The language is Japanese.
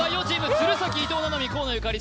鶴崎伊藤七海河野ゆかり